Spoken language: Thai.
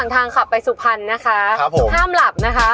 ทางขับไปสุพรรณนะคะ